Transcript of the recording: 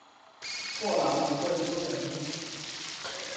过劳不会出人命